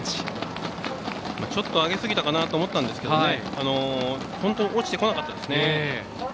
上げすぎたかなと思ったんですが本当に落ちてこなかったですね。